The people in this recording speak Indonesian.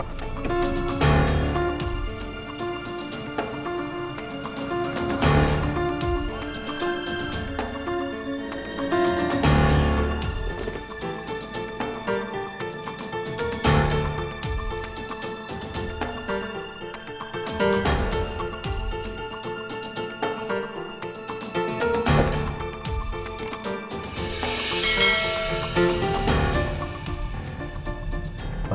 jangan lupa pak